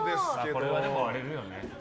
これは割れるよね。